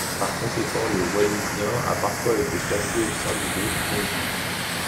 Par conséquent, le wallisien a parfois été classé au sein du groupe tongique.